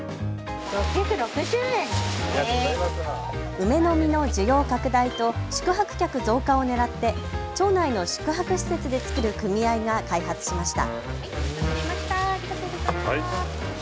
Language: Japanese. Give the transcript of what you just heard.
梅の実の需要拡大と宿泊客増加をねらって町内の宿泊施設で作る組合が開発しました。